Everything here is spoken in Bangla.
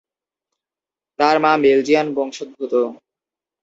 তার মা বেলজিয়ান বংশদ্ভুত।